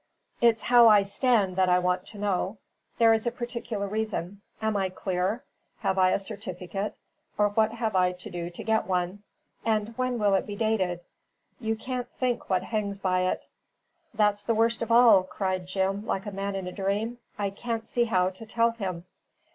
It's how I stand that I want to know. There is a particular reason. Am I clear? Have I a certificate, or what have I to do to get one? And when will it be dated? You can't think what hangs by it!" "That's the worst of all," said Jim, like a man in a dream, "I can't see how to tell him!"